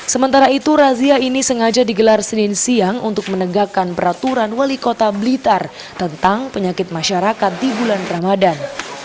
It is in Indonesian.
sementara itu razia ini sengaja digelar senin siang untuk menegakkan peraturan wali kota blitar tentang penyakit masyarakat di bulan ramadan